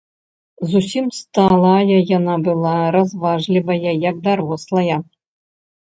Зусім сталая яна была, разважлівая, як дарослая.